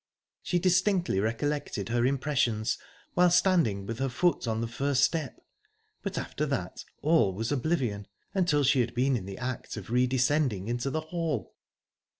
She distinctly recollected her impressions while standing with her foot on the first step, but after that all was oblivion, until she had been in the act of redescending into the hall.